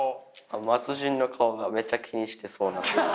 末人の顔がめっちゃ気にしてそうな。